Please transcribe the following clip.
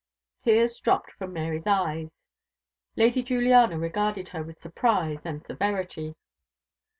Tears dropped from Mary's eyes. Lady Juliana regarded her with surprise and severity.